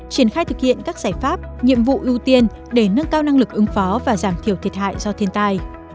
triển khai thực hiện các giải pháp nhiệm vụ ưu tiên để nâng cao năng lực ứng phó và giảm thiểu thiệt hại do thiên tai